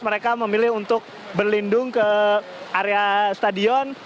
mereka memilih untuk berlindung ke area stadion